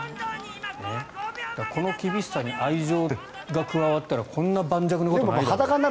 この厳しさに愛情が加わったらこんな盤石なことはない。